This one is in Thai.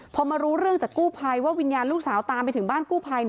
พอมารู้เรื่องจากกู้ภัยว่าวิญญาณลูกสาวตามไปถึงบ้านกู้ภัย